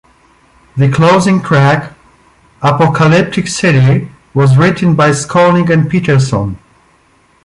The closing track, "Apocalyptic City", was written by Skolnick and Peterson.